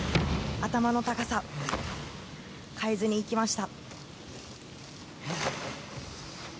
頭の高さ、変えずにいきました。